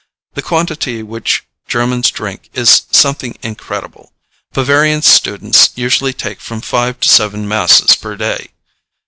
The quantity which Germans drink is something incredible. Bavarian students usually take from five to seven masses per day.